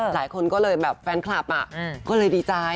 หลายคนก็เลยแบบแฟนคลับก็เลยดีใจ